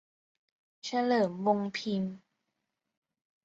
เฉลิม วงค์พิมพ์